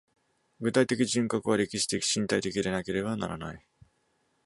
具体的人格は歴史的身体的でなければならない。